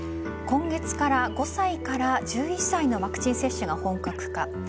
今月から５歳から１１歳へのワクチン接種が本格化。